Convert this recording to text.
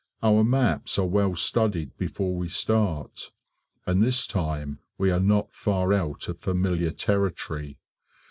Our maps are well studied before we start, and this time we are not far out of familiar territory.